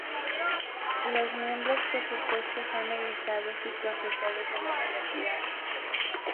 Los miembros por supuesto son egresados y profesores de la universidad.